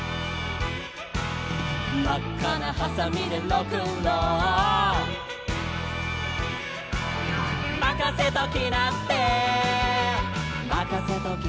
「まっかなはさみでロックンロール」「まかせときなってまかせときなって」